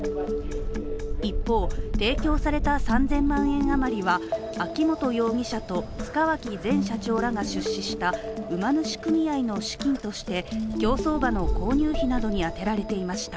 一方、提供された３０００万円あまりは秋本容疑者と塚脇前社長らが出資した馬主組合の資金として競走馬の購入費などに充てられていました。